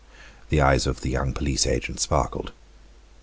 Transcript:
The eyes of the young police agent sparkled.